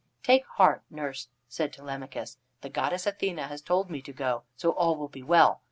"Take heart, nurse," said Telemachus. "The goddess Athene has told me to go, so all will be well.